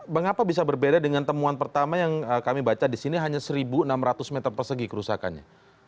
mengapa bisa berbeda dengan temuan pertama yang kami baca di sini hanya satu enam ratus meter persegi kerusakannya